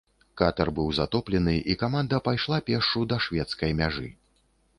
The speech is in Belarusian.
Катар быў затоплены і каманда пайшла пешшу да шведскай мяжы.